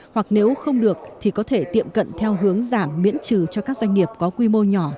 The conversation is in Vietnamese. hoặc nếu không được thì có thể tiệm cận theo hướng giảm miễn trừ cho các doanh nghiệp có quy mô nhỏ